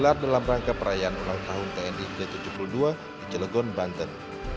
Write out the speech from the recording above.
ini juga digelar dalam rangka perayaan ulang tahun tni g tujuh puluh dua di cilangkot banten